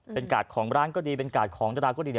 เป็นกาดของร้านก็ดีเป็นกาดของดาราก็ดีเนี่ย